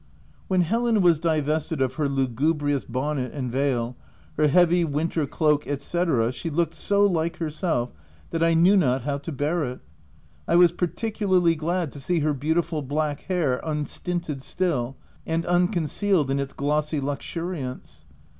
OF WIL.DFELL HALL. 31? When Helen was divested of her lugubrious bonnet and veil, her heavy winter cloak &c. she looked so like herself that I knew not how to bear it. I was particularly glad to see her beautiful black hair unstinted still and uncon cealed in its glossy luxuriance.